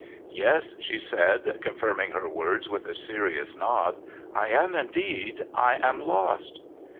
' Yes,' she said, confirming her words with a serious nod. ' I am indeed. I am lost